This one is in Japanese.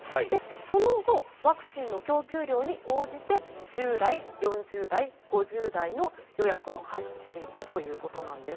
その後ワクチンの供給量に応じて１０代、４０代、５０代の予約を開始していくということなんです。